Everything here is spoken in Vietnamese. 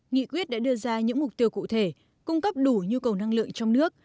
nghị quyết đã đưa ra những mục tiêu cụ thể cung cấp đủ nhu cầu năng lượng trong nước